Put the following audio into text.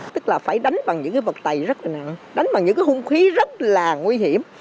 tức là phải đánh bằng những vật tầy rất là nặng đánh bằng những hung khí rất là nguy hiểm